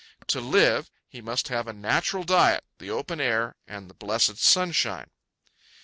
To live, he must have a natural diet, the open air, and the blessed sunshine.